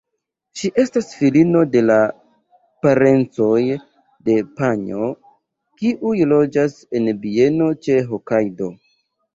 Ŝi estas filino de parencoj de Panjo, kiuj loĝas en bieno ĉe Hokajdo.